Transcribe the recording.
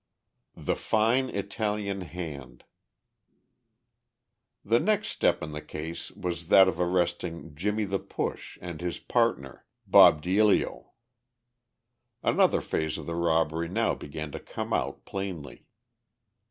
The Fine Italian Hand The next step in the case was that of arresting "Jimmie the Push" and his partner, Bob Deilio. Another phase of the robbery now began to come out plainly.